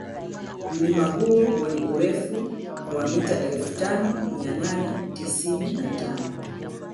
Mlima huo wenye urefu wa mita elfu tano mia nane tisini na tano